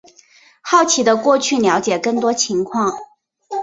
好奇的过去了解更多情况